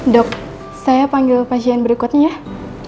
dok saya panggil pasien berikutnya ya